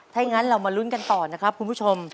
ถ้าอย่างนั้นเรามาลุ้นกันต่อนะครับคุณผู้ชม